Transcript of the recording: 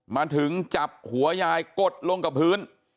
มาถึงจับหัวยายกดลงกับพื้น